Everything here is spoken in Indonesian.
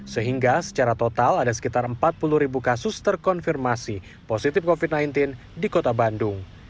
sehingga secara total ada sekitar empat puluh ribu kasus terkonfirmasi positif covid sembilan belas di kota bandung